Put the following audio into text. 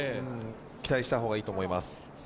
期待した方がいいと思います。